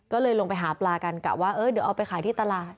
ก็เลยลงไปหาปลากันกะว่าเออเดี๋ยวเอาไปขายที่ตลาด